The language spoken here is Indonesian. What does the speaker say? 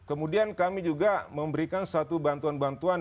nah kemudian kami juga memberikan satu bantuan bantuan